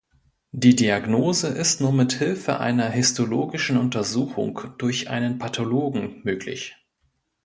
Die Diagnose ist nur mit Hilfe einer histologischen Untersuchung durch einen Pathologen möglich.